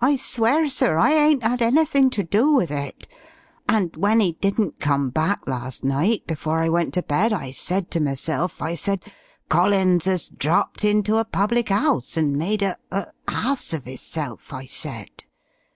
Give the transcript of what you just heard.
I swear, sir, I ain't 'ad anythin' ter do with it, and when 'e didn't come back last night before I went to bed I said to meself, I said, 'Collins 'as dropped into a public 'ouse and made a a ass of hisself', I said.